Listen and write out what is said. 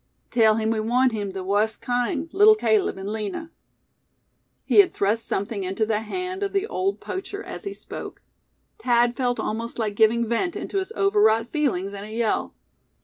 Tell him we want him the wust kind, Leetle Caleb an' Lina!'" He had thrust something into the hand of the old poacher as he spoke. Thad felt almost like giving vent into his overwrought feelings in a yell.